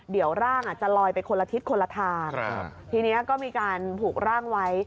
เดี๋ยวร่างอาจจะลอยไปคนละทิศคนละทางทีนี้ก็มีการผูกร่างไว้